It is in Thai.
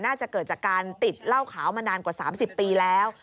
น่าจะเกิดจากการติดเหล้าขาวมานานกว่า๓๐ปีแล้ว